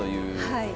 はい。